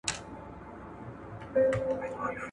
هر څوک غواړي په خپل برخليک واک ولري.